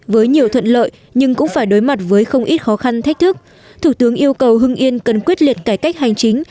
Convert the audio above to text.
với nhiều thuận lợi nhưng cũng phải đối mặt với không ít khó khăn thách thức thủ tướng yêu cầu hưng yên cần quyết liệt cải cách hành chính